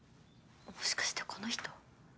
もしかしてこの人？